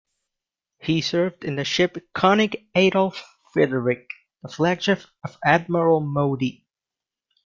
He served in the ship "Konig Adolf Frederic", the flagship of Admiral Modee.